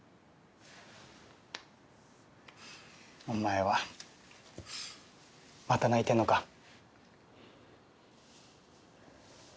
お前はまた泣いてんのか？